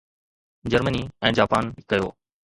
Germany ۽ Japan ڪيو